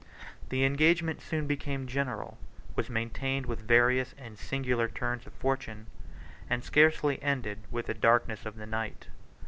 The engagement soon became general; was maintained with various and singular turns of fortune; and scarcely ended with the darkness of the night.